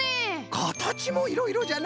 かたちもいろいろじゃな。